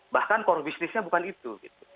bahkan core business nya bukan itu